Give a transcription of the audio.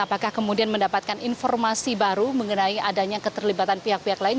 apakah kemudian mendapatkan informasi baru mengenai adanya keterlibatan pihak pihak lain